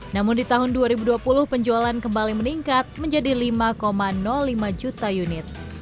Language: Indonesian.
namun di tahun dua ribu dua puluh penjualan kembali meningkat menjadi lima lima juta unit